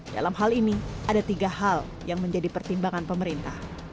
dalam hal ini ada tiga hal yang menjadi pertimbangan pemerintah